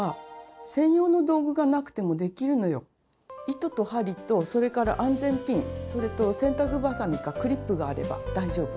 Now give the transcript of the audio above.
糸と針とそれから安全ピンそれと洗濯ばさみかクリップがあれば大丈夫。